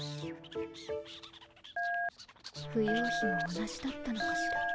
芙蓉妃も同じだったのかしら。